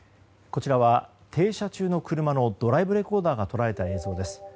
こちらは停車中の車のドライブレコーダーが捉えた映像です。